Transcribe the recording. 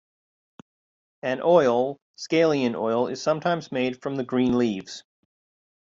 An oil, "scallion oil", is sometimes made from the green leaves.